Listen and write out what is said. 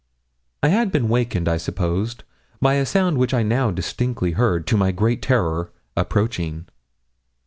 I had been wakened, I suppose, by a sound which I now distinctly heard, to my great terror, approaching.